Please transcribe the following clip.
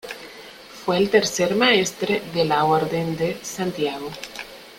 Fue el tercer maestre de la Orden de Santiago.